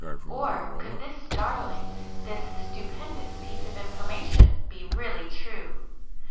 Or could this startling, this stupendous piece of information be really true?